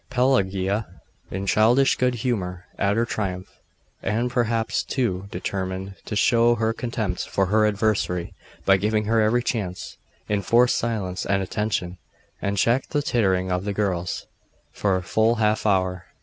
Pelagia, in childish good humour at her triumph, and perhaps, too, determined to show her contempt for her adversary by giving her every chance, enforced silence and attention, and checked the tittering of the girls, for a full half hour.